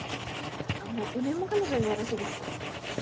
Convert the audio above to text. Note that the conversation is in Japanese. もう５年も彼女いないらしいですよ。